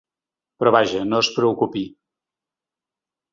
Però vaja, no es preocupi.